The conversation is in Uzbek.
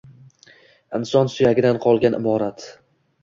Inson suyagidan solgan imorat…